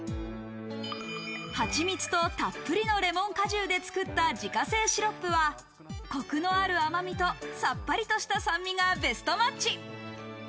はちみつとたっぷりのレモン果汁で作った自家製シロップは、コクのある甘みと、さっぱりとした酸味がベストマッチ。